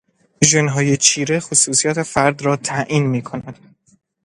ژنهای چیره خصوصیات فرد را تعیین میکند.